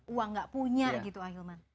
uang gak punya gitu ahilman